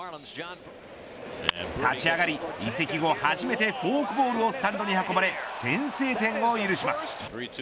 立ち上がり、移籍後初めてフォークボールをスタンドに運ばれ先制点を許します。